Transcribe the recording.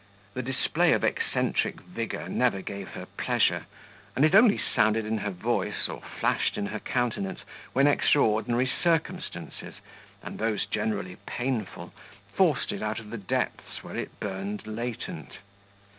The display of eccentric vigour never gave her pleasure, and it only sounded in her voice or flashed in her countenance when extraordinary circumstances and those generally painful forced it out of the depths where it burned latent.